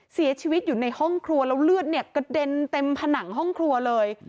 เสียชีวิตอยู่ในห้องครัวแล้วเลือดเนี่ยกระเด็นเต็มผนังห้องครัวเลย